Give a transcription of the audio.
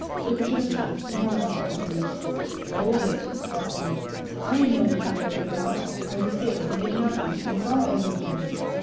With a gesture, he halted the others. "Hold it!" he called. "I know what you're worried about. I was there when it happened, and saw everything."